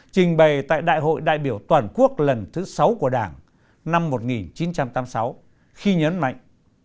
trình bày tại đại hội đại biểu toàn quốc lần thứ sáu của đảng năm một nghìn chín trăm tám mươi sáu khi nhấn mạnh